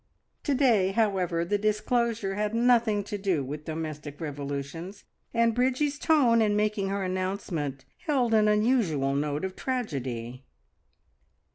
To day, however, the disclosure had nothing to do with domestic revolutions, and Bridgie's tone in making her announcement held an unusual note of tragedy.